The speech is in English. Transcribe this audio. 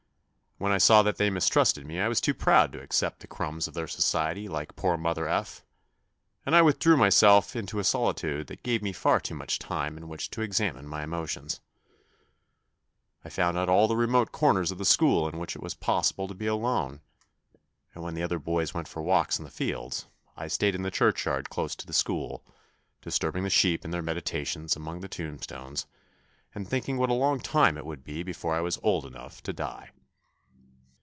When I saw that they mistrusted me I was too proud to accept the crumbs of their society like poor mother F , and 1 withdrew myself into a solitude that gave me far too much time in which to examine my emotions. I found out all the remote corners of the school in which it was THE NEW BOY 59 possible to be alone, and when the other boys went for walks in the fields, I stayed in the churchyard close to the school, disturbing the sheep in their meditations among the tomb stones, and thinking what a long time it would be before I was old enough to die.